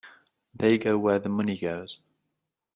They go where the money goes.